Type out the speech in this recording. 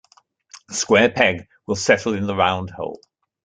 The square peg will settle in the round hole.